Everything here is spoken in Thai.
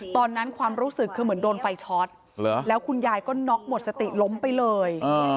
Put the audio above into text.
ความรู้สึกคือเหมือนโดนไฟช็อตแล้วคุณยายก็น็อกหมดสติล้มไปเลย